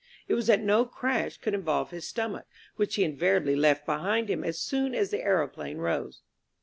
It was that no crash could involve his stomach, which he invariably left behind him as soon as the aeroplane rose.